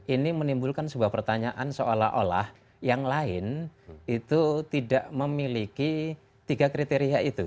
ini menimbulkan sebuah pertanyaan seolah olah yang lain itu tidak memiliki tiga kriteria itu